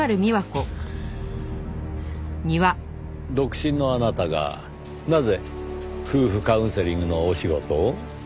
独身のあなたがなぜ夫婦カウンセリングのお仕事を？